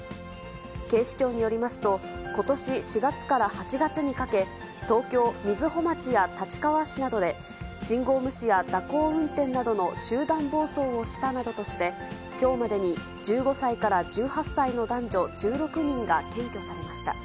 警視庁によりますと、ことし４月から８月にかけ、東京・瑞穂町や立川市などで、信号無視や蛇行運転などの集団暴走をしたなどとして、きょうまでに１５歳から１８歳の男女１６人が検挙されました。